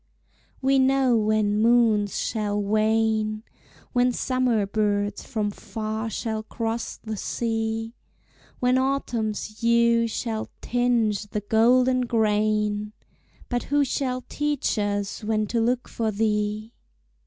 We know when moons shall wane, When summer birds from far shall cross the sea, When autumn's hue shall tinge the golden grain But who shall teach us when to look for thee?